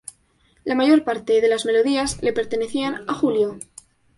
La mayor parte de las melodías le pertenecían a Julio.